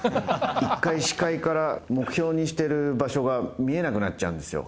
一回、視界から目標にしてる場所が見えなくなっちゃうんですよ。